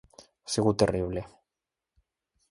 Ha sigut terrible.